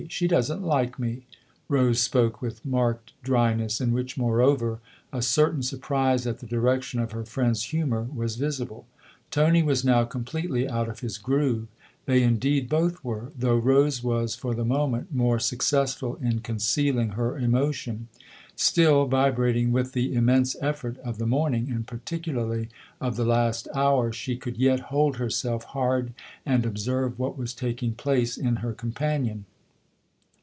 She doesn't like me." Rose spoke with marked dryness, in which moreover a certain surprise at the direction of her friend's humour was visible. Tony was now completely out of his groove ; they indeed both were, though Rose was for the moment more successful in concealing her emotion. Still vibrating with the immense effort of the morning and particularly of the last hour, she could yet hold herself hard and observe what was taking place in her companion.